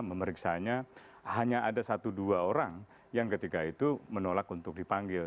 memeriksanya hanya ada satu dua orang yang ketika itu menolak untuk dipanggil